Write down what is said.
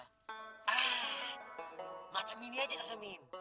ah macam ini aja tasamin